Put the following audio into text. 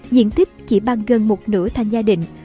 diện tích chỉ bằng gần một nửa thành gia đình